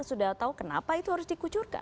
sudah tahu kenapa itu harus dikucurkan